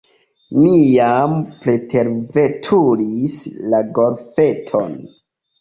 Ni jam preterveturis la golfeton.